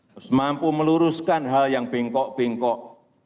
harus mampu meluruskan hal yang bengkok bengkok